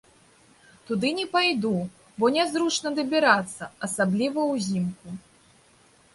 Туды не пайду, бо нязручна дабірацца, асабліва ўзімку.